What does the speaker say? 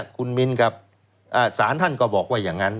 คุณมิ้นครับสารท่านก็บอกว่าอย่างนั้น